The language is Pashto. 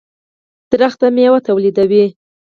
• ونه مېوه تولیدوي.